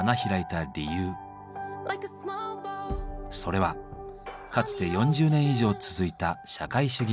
それはかつて４０年以上続いた社会主義体制。